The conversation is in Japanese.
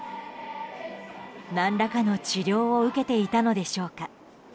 何らかの治療を受けていたのでしょうか。